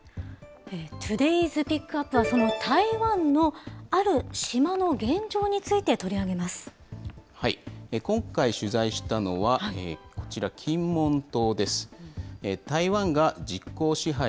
トゥデイズ・ピックアップはその台湾のある島の現状について今回、取材したのは、こちら、金門島です。